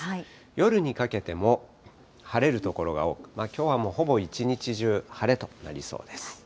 夜にかけても晴れる所が多く、きょうはもうほぼ一日中晴れとなりそうです。